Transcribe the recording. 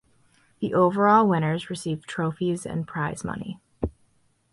The overall winners receive trophies and prize money.